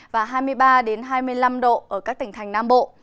và hai mươi ba hai mươi năm độ ở các tỉnh thành nam bộ